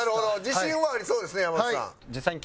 自信はありそうですね山内さん。